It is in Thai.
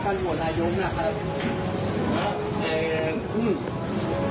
คุณแมนวิราณครับผม